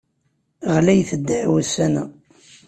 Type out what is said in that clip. Ɣlayet ddeɛwa ussan-a.